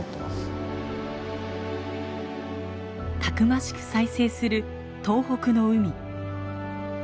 たくましく再生する東北の海。